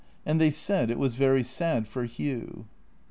And they said it was very sad for Hugh.